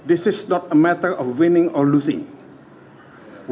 ini bukan masalah menang atau kalah